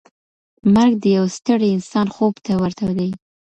مرګ د یو ستړي انسان خوب ته ورته دی.